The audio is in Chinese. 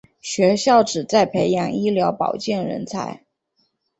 学校旨在培养医疗保健人才。